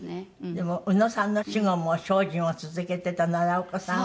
でも宇野さんの死後も精進を続けてた奈良岡さんは。